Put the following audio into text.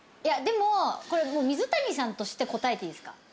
いやでもこれ水谷さんとして答えていいですか？